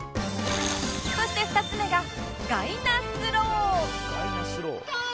そして２つ目がガイナスロー